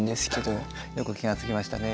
よく気が付きましたね。